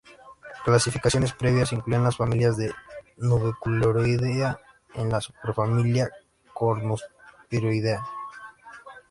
Clasificaciones previas incluían las familias de Nubecularioidea en la Superfamilia Cornuspiroidea.